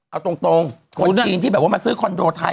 เอาตรงคนจีนที่แบบว่ามาซื้อคอนโดไทย